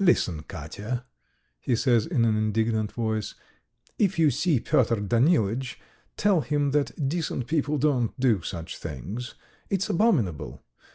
"Listen, Katya," he says in an indignant voice. "If you see Pyotr Danilitch, tell him that decent people don't do such things. It's abominable!